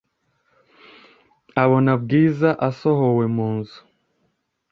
abona bwiza asohowe munzu